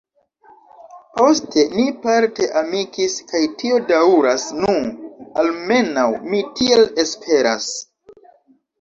Poste ni parte amikis kaj tio daŭras nu, almenaŭ mi tiel esperas.